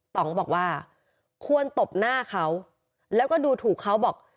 ต้องบอกว่าควรตบหน้าเขาแล้วก็ดูถูกเขาบอก